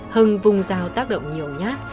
hưng vùng dao tác động nhiều nhát